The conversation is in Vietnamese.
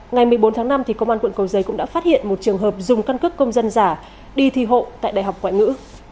ngày một mươi bốn tháng năm công an quận cầu giấy cũng đã phát hiện một trường hợp dùng căn cước công dân giả đi thi hộ tại đại học ngoại ngữ